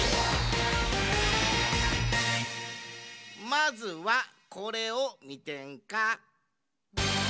まずはこれをみてんか！